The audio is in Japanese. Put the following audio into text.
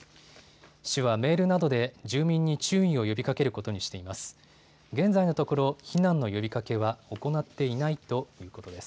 市はメールなどで住民に注意を呼びかけることにしています。